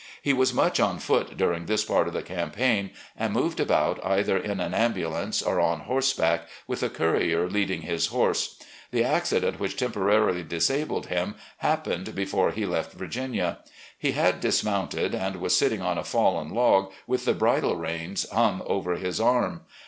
He was much on foot during this part of the campaign, and moved about either in an ambulance or on horse back, with a courier leading his horse. The accident which temporarily disabled him happened before he left Virginia. He had dismoimted, and was sitting on a fallen log, with the bridle reins hung over his arm.